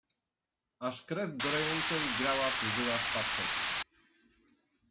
"Aż krew goręcej grała w żyłach patrzeć."